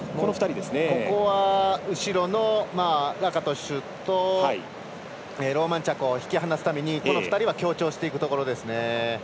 ここは後ろのラカトシュとローマンチャックを引き離すために、この２人は強調していくところですね。